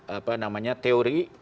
apa namanya teori